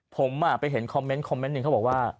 ผมไปเห็นคอมเมนต์คอมเมนต์หนึ่งเขาบอกว่า